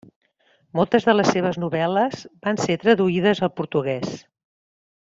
Moltes de les seves novel·les van ser traduïdes al portuguès.